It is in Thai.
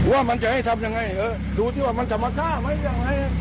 ว่ามันจะให้ทำยังไงดูที่ว่ามันจะมาฆ่าไหมอย่างไร